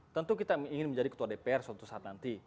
tentu kita ingin menjadi ketua dpr suatu saat nanti